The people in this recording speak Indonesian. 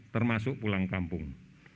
termasuk pulang kampung